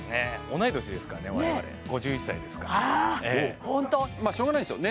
同い年ですからね我々５１歳ですからああホントまあしょうがないんすよ